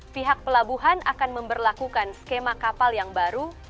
pihak pelabuhan akan memperlakukan skema kapal yang baru